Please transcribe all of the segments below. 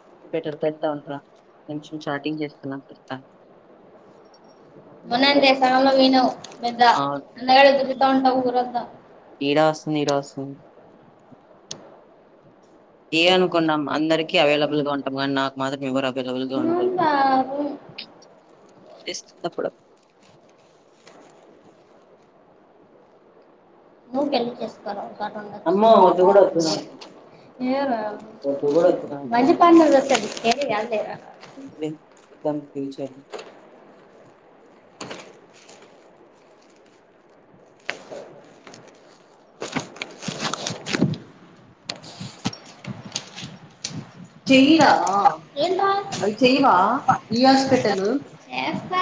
మొన్న అంతే ఫనుంది అని వోయినవు, బెడ్డ అందగాడని దిరుకుతా ఉంటావు ఊరంతా ఇకాప్ ఎస్త్ అప్పుడు నువ్వు పెళ్లి చేసుకోవాల ఒకసాటు ఉండద్దు. ఏరా మంచి పనులొత్తేది ఏది గాదులేరా త్తం పీల్చేన్ చెయ్యిరా అది చేయవా, ఈ హాస్పిటల్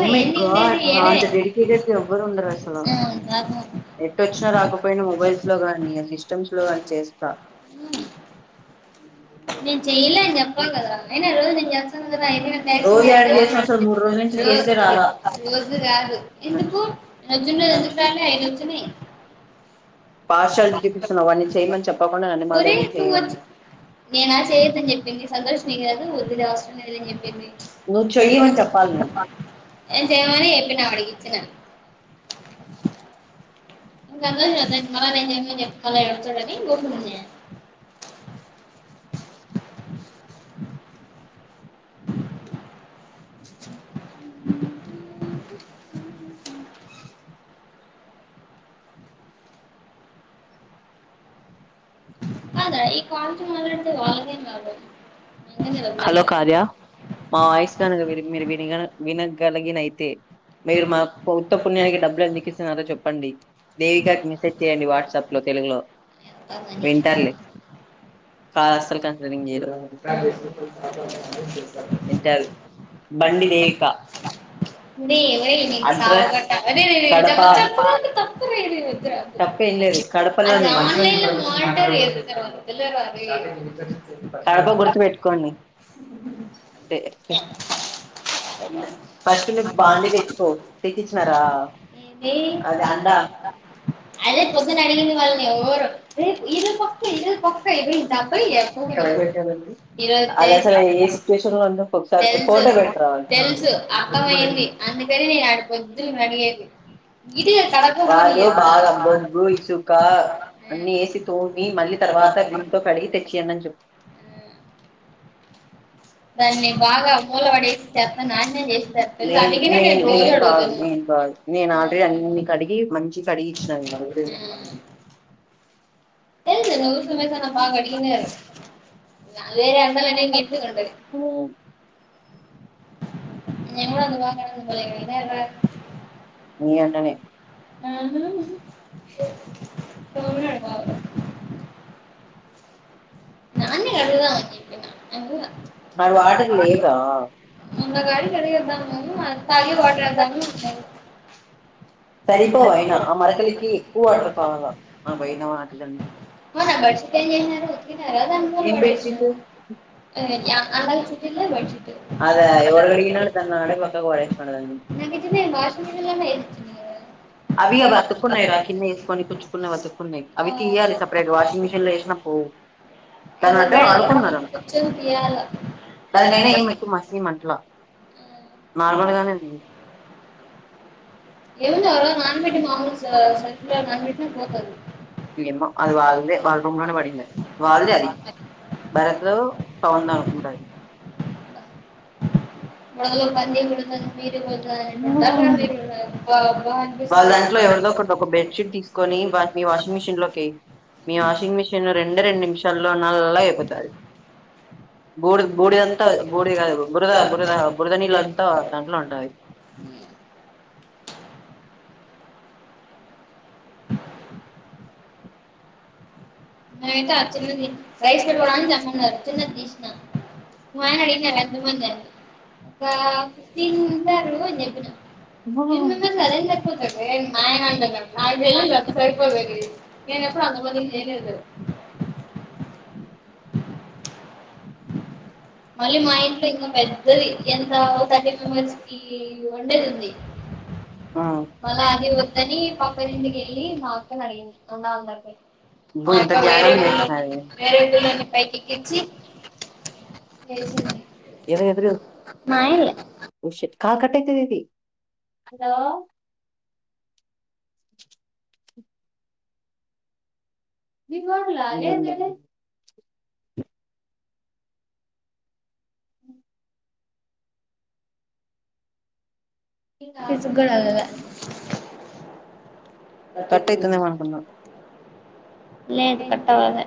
ఓ మై గాడ్ నా అంత డెడికేటెడ్ ఎవ్వరు ఉండరు అస్సలు. ఎటొచ్చినా రాకపోయినా మొబైల్స్ లో గాని సిస్టమ్స్ లో గాని చేస్తా. నేను చెయ్యలే అని చెప్పా కదా అయినా రోజు నేను జేచ్చా కదా ఎందుకు నేను వచ్చిన రోజు ఎందుకు రాలే ఐదు వచ్చినాయ్. పార్షియాల్టీ చూపిస్తున్నావ నేను చేయమని చెప్పకుండా నన్ను మాదగ్గర చేయమని నేనా చేయ్యద్దని చెప్పింది సంతోష్ నే కాదు ఒద్దుది అవసరం లేదని చెప్పింది. నేను చేయమని చెప్పిన ఆ వాడికి ఇచ్చినా, గదే గదా మళ్ళా నేజేప్పింది ఎత్తుకోలె ఏడుచ్చాడని గమ్మును న్యా హలో కార్య మా వాయిస్ గనుక మీర్ విని వినిగన వినగలిగిన అయితే, మీరు మాకొ ఉత్త పుణ్యానికి డబ్బులు ఎందుకు ఇస్తున్నారో చెప్పండి. దేవికాకి మెసేజ్ చేయండి వాట్సాప్ లో తెలుగులో విన్ ఏయే [unintelligible] ఆన్లైన్లో కడప గుర్తు పెట్టుకోండి వే ఫస్ట్ ను పండి తెచ్చుకో తెప్పించినారా అద అంతా అదే పొద్దున అడిగింది మల్ల ఈరోజు పప్పే ఈరోజు పప్పే ఇది తప్పది ఇగ అది అసలు ఏం చేసి చేసిల్లు పప్పుచారు ఫోటో పెట్టారా అండి వాళ్ళు బొంగు ఇసుక ఎ ఎంది ఇది భూమి మళ్ళీ తర్వాత దీంతో కడిగి తెచ్చాను అని చెప్పు అదినేను బాగా మురడెసి చెత్త నాశనం చేసింది అది నెన్ నేను కాదు నేను కాదు నేనా ఆడే అన్ని కడిగి మంచి కడిగి ఇచ్చిన నేను ఏంది నువ్ ఆవిడ గివిడ ఎ అందర్ రండి ఉ నెంగూడ గురువారం నాడు మీ అన్నానే అహా కమ్ డ అడ్తవ దాన్ని కడుగుదాం అన్ నక్ వాటర్ లేవుర ఉన్నాకడికి కడిగెద్దము అది తక్కువవడుతనము సరిపోవయినా ఆ మరకలికి ఎక్కువ వాటర్ కావాలా అ పోయిన వాటి సెన్ కి మొన్న భరత్ కు పోయినడు ఏమైంది ఆ అదా ఎవడ్ అడిగిండు అడు దాన్ని ఆడే పక్కకు పడేసిన దాన్ని అవి అవి అతుక్కున్నాయి రా కింద ఏరుకొని కుచ్చుకున్నాయి అతుక్కున్నాయ్ అవి తియ్యాలి సెపరేట్ వాషింగ్ మెషిన్లో ఏషిన పోవు తనట ఆడుకున్నారంట ఎవలు దానికైనా ఏమి ఎక్కువ మతి మట్ల నార్మల్గానే నీ ఎమ్మో అది వాళ్లదే వల్ల రూంలోనే పడింది అది వల్దె అది భరత్ లో పౌండ్ అనుకుంటది మడలో పంది గుతుంది మీరు గుతు గు పాపం అనిపిస్తది వాళ్ళ దాంట్లో ఎవరిదో ఒకటి ఒక బెడ్ షీట్ తీసుకొని వాటిని వాషింగ్ మిషన్ లోకి ఏయ్యి మీ వాషింగ్ మిషిన్ రెండె రెండు నిమిషాల్లో నల్లగా అయిపోతది బుడి బూడిది అంత బూడిది గాదు బురద బురద బురదనీల్లు అంతా దాంట్లో ఉంటది నైతే ఆ చిన్నది రైస్ పెట్టుకోడానికి అంటున్నారు చిన్నది తీసిన మాయన అడిగినరు ఎంతమంది అని ఒక ఫిఫ్టీన్ ఉంటారు అని చెప్పిన టెన్ మెంబర్స్ కదా అదేం సరిపోతది అండి మాయనా అంటారు నాకు తెలీదు అంత సరిపోదు అని నేను ఎప్పుడు అంతమందికి చేయలేదు మళ్ళీ మా ఇంటికి పెద్దది ఎంత ఒక థర్టీ త్రీ ఓల్టేజ్ ఉంది అ మళ్ళ అది వద్దని పక్క దానికి ఏళ్ళి మా అక్కను అడిగింది మొన్న అంగడికి ఎల్లి బో జాగారం చేసినరో ఎవరెవరు మయన్లే ఓహ్ శ కాల్ కట్ అయితది ఇది అలో మీకులా లేదే ఇ నా బధ కట్ అయితుంది ఏమో అనుకున్న లేదు కట్టవలె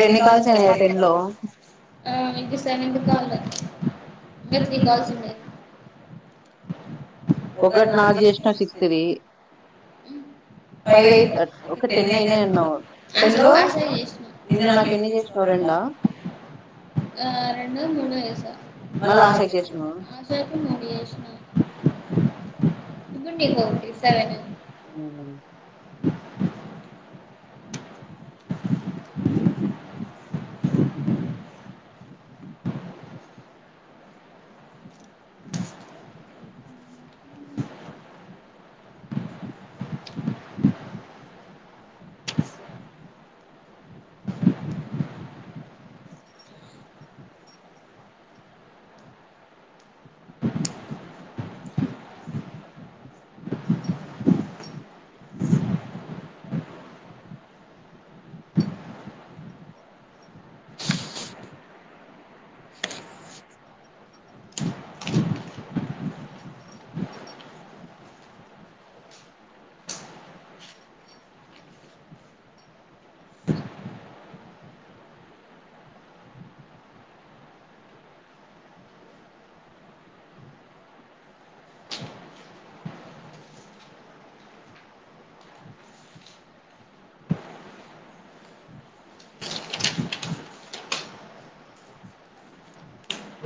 ఎన్ని కాల్స్ అయ్యాయి నీకు [unintelligible] ఆ.. రెండో మూడో చేస ఆ తర్వాత మూడు చేసిన [inaudible] [inaudible] [inaudible] [inaudible] [inaudible]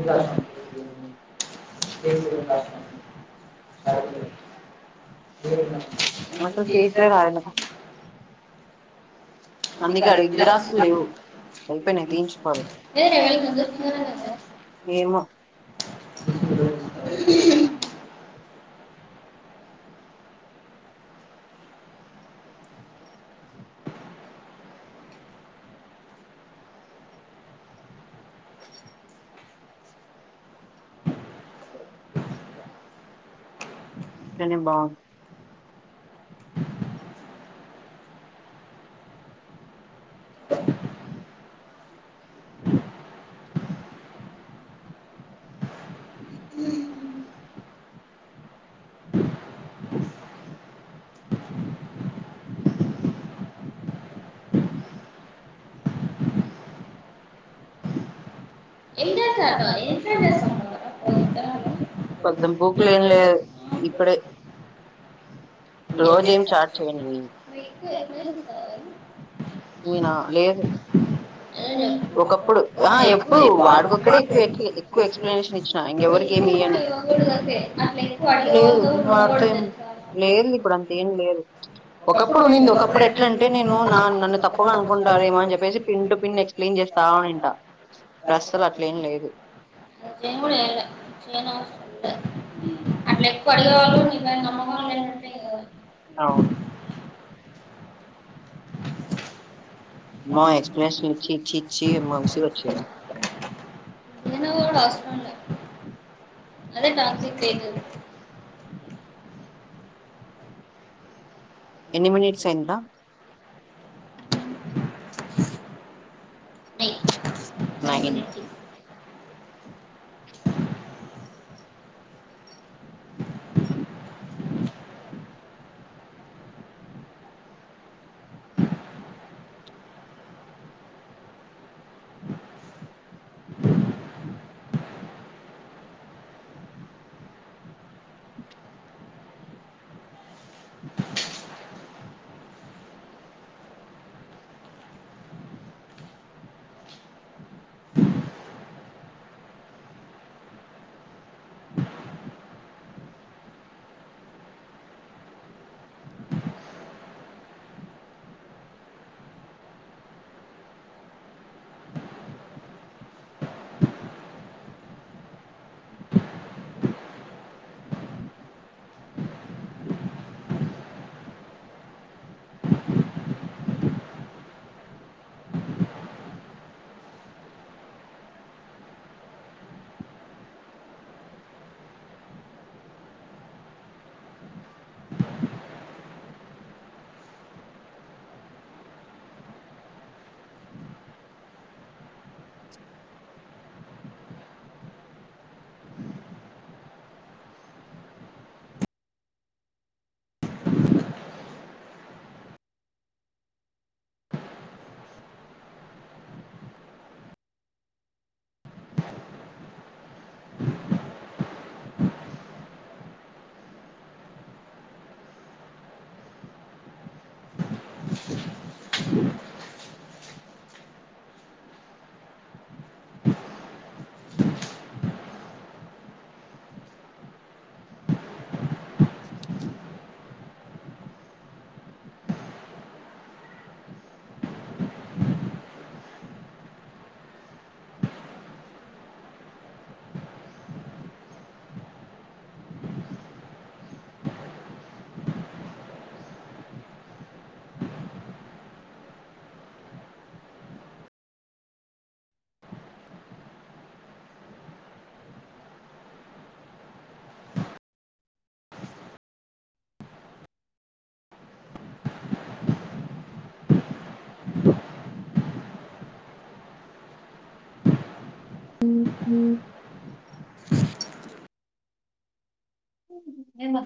ఇ రా [unintelligible] ఏసి ఉందా పడుకోలేదు ఏ [unintelligible] వంటలు చేసే దాయన అందుకే అడిగి జిరాస్కులు లేవు అయిపోయినై తీయించుకోవాలి ఏమో [unintelligible] కని బావు మ్ పొద్దున బుక్లు ఏం లేవు ఇ ప్పుడే రోజు ఏం చాట్ చెయ్యనండి [unintelligible] నేనా లేదు ఒకప్పుడు ఆ ఎప్పు ఇప్పుడు వాడికొక్కడేక్కువ ఎక్కువ ఎక్స్ప్లెనేషన్ ఇచ్చినా ఇంకెవరికి ఏమి ఇయ్యను లేదు వాడితో ఏం లేదు ఇప్పుడు అంత ఏం లేదు ఒకప్పుడు ఉండింది ఒకప్పుడు ఎట్ల అంటే నేను నా నన్ను తప్పుగా అనుకుంటారేమో అని చెప్పేసి పిన్ టు నేను గూడ ఏం లే చెయ్యను [unintelligible] అవును మ్మా ఎక్ష్పలేషన్ ఇచ్చి చ్చి ఛ్ఛీ మక్ విసుగొచ్చే ఇప్పుడు కూడ అవసరం లే అదే నాకు తేగు ఎన్ని మినిట్స్ అయింది రా ఏయిట్ నైన్ ఉహు ఎంగా